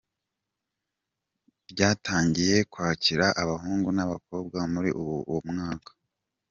Ryatangiye kwakira abahungu n’abakobwa muri uwo mwaka.